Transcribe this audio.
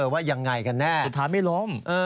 ว่ายังไงกันแน่สุดท้ายไม่ล้ม